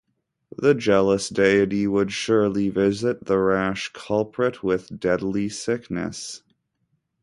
The jealous deity would surely visit the rash culprit with deadly sickness.